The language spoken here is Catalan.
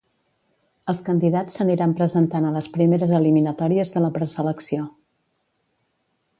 Els candidats s'aniran presentant a les primeres eliminatòries de la preselecció.